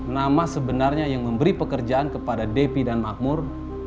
nama sebenarnya yang memberi pekerjaan kepada depi dan makmur